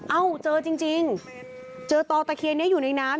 เอ้าเจอจริงเจอต่อตะเคียนนี้อยู่ในน้ำ